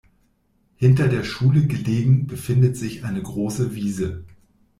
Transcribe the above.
Hinter der Schule gelegen befindet sich eine große Wiese.